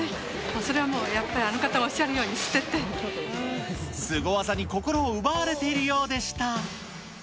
それはもう、やっぱりあの方がおスゴ技に心を奪われているようでした。